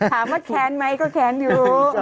ถามว่าแค้นไหมก็แค้นอยู่